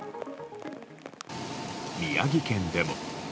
宮城県でも。